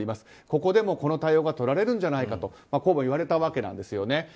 ここでもこの対応がとられるんじゃないかと言われたわけですよね。